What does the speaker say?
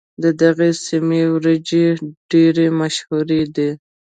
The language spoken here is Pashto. د دغې سيمې وريجې ډېرې مشهورې دي.